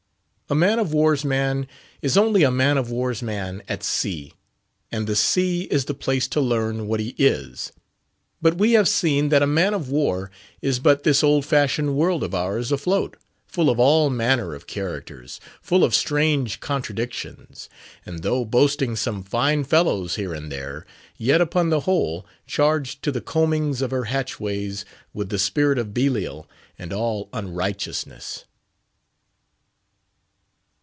A man of war's man is only a man of war's man at sea; and the sea is the place to learn what he is. But we have seen that a man of war is but this old fashioned world of ours afloat, full of all manner of characters—full of strange contradictions; and though boasting some fine fellows here and there, yet, upon the whole, charged to the combings of her hatchways with the spirit of Belial and all unrighteousness.